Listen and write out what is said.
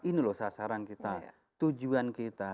ini loh sasaran kita tujuan kita